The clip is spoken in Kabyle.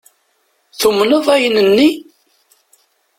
Tumned ayen-nni?